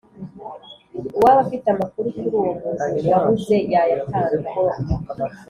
uwaba afite amakuru kuri uwo muntu wabuze yayatanga